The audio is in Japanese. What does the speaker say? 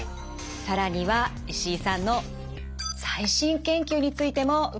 更には石井さんの最新研究についても伺っていきます。